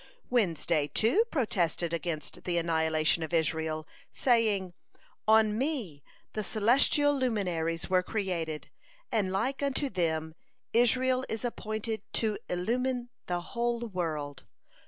Wednesday, too, protested against the annihilation of Israel, saying: "On me the celestial luminaries were created, and like unto them Israel is appointed to illumine the whole world.